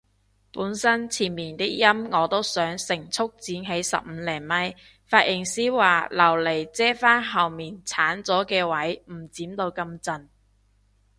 本身前面啲陰我都想成束剪起十五厘米，髮型師話留嚟遮返後面剷咗嘅位唔剪到咁盡